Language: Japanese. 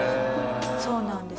そうなんです。